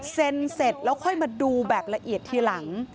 เสร็จแล้วค่อยมาดูแบบละเอียดทีหลัง